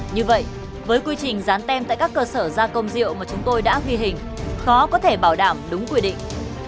như vậy với quy trình dán tem tại các cơ sở gia công rượu mà chúng tôi đã ghi hình khó có thể bảo đảm đúng quy định